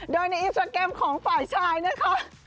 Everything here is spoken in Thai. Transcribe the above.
โดยในอินสตราแกรมของฝ่ายชายนะคะ